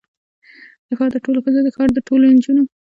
د ښار د ټولو ښځو، د ښار د ټولو نجونو